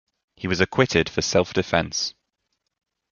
He was acquitted for self-defense.